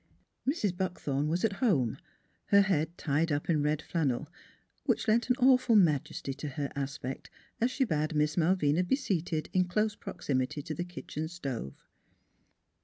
Ill MRS. BUCKTHORN was at home, her head tied up in red flannel, which lent an awful majesty to her aspect as she bade Miss Malvina be seated in close proximity to the kitchen stove.